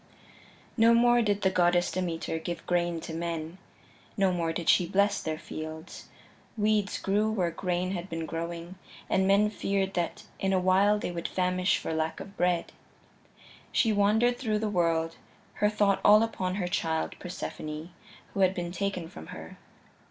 III No more did the Goddess Demeter give grain to men; no more did she bless their fields: weeds grew where grain had been growing, and men feared that in a while they would famish for lack of bread. She wandered through the world, her thought all upon her child, Persephone, who had been taken from her.